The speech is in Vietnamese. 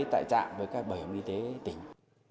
tại trạm với các bảo hiểm y tế tỉnh